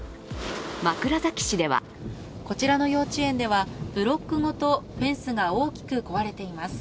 枕崎市ではこちらの幼稚園ではブロックごとフェンスが大きく壊れています。